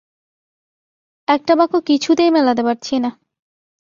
একটা বাক্য কিছুতেই মেলাতে পারছিনা।